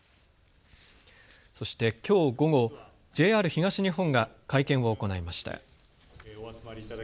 そしてきょう午後ＪＲ東日本が会見を行いました。